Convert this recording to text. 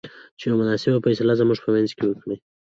چې يوه مناسبه فيصله زموږ په منځ کې وکړۍ.